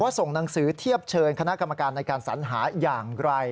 ส่งหนังสือเทียบเชิญคณะกรรมการในการสัญหาอย่างไร